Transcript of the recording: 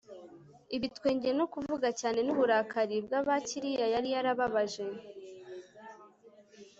ibitwenge no kuvuga cyane, n'uburakari bw'abakiriya yari yarababaje